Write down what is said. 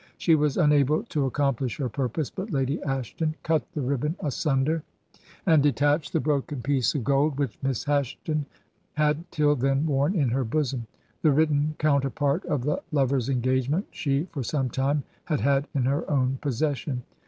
She was unable to accomplish her purpose, but Lady Ashton cut the ribbon asunder, and detached the broken piece of gold, which Miss Ashton had till then worn in her bosom; the written counter part of the lover's engagement she for some time had had in her own possession.